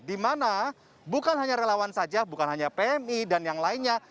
di mana bukan hanya relawan saja bukan hanya pmi dan yang lainnya